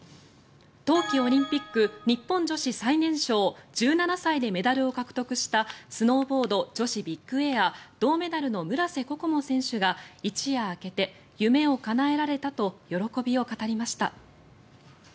冬季オリンピック日本女子最年少１７歳でメダルを獲得したスノーボード女子ビッグエア銅メダルの村瀬心椛選手が一夜明けて、夢をかなえられたと喜びを語りました。